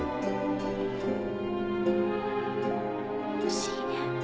不思議ね。